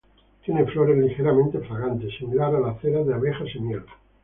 Tiene flores ligeramente fragantes, similar a la cera de abejas y miel.